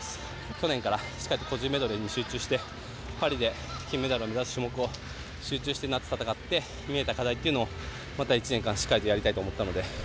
去年から、しっかりと個人メドレーに集中してパリで金メダルを目指す種目を集中して、夏、戦って見えた課題っていうのをまた一年間しっかりとやりたいと思ったので。